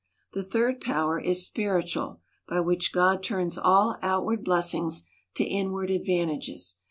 — The third power is spiritual, by which God turns all outward blessings to inward advantages.